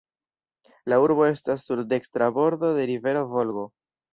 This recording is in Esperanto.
La urbo estas sur dekstra bordo de rivero Volgo.